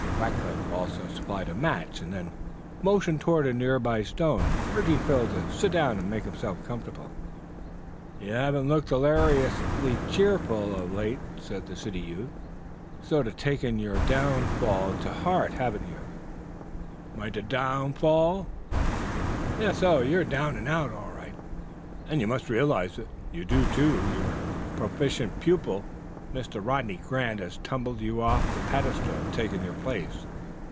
Rackliff also supplied a match, and then motioned toward a near by stone, urging Phil to sit down and make himself comfortable. "You haven't looked hilariously cheerful of late," said the city youth. "Sort of taken your downfall to heart, haven't you?" "My dud downfall?" "Yes. Oh, you're down and out, all right, and you must realize it you do, too. Your proficient pupil, Mr. Rodney Grant, has tumbled you off the pedestal and taken your place."